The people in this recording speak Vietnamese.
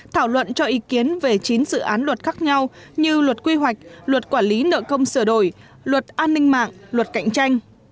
thảo luận cho ý kiến về chín dự án luật khác nhau như luật quy hoạch luật quản lý nợ công sửa đổi luật an ninh mạng luật cạnh tranh